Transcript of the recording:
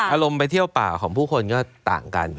อารมณ์ไปเที่ยวป่าของผู้คนก็ต่างกัน